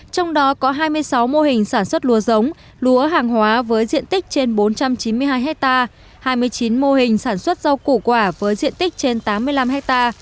trong đó có hai mươi sáu mô hình sản xuất lúa giống lúa hàng hóa với diện tích trên bốn trăm chín mươi hai hectare hai mươi chín mô hình sản xuất rau củ quả với diện tích trên tám mươi năm ha